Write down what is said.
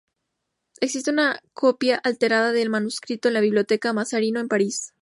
Existe una copia alterada del manuscrito en la Biblioteca Mazarino en París.